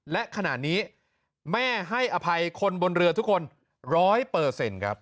และขนาดนี้แม่ให้อภัยคนบนเรือทุกคน๑๐๐ครับ